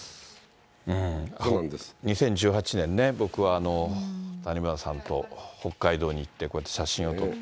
２０１８年ね、僕は谷村さんと北海道に行って、こうやって写真を撮って。